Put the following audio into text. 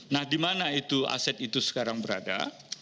nah di mana aset itu sekarang berada